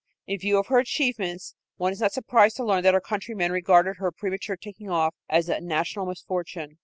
In view of her achievements one is not surprised to learn that her countrymen regarded her premature taking off as a national misfortune.